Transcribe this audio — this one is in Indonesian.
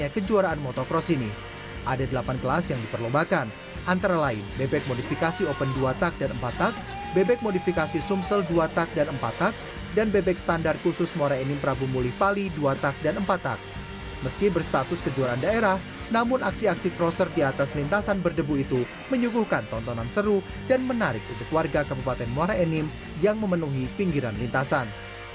keluarga kabupaten muara enim yang memenuhi pinggiran lintasan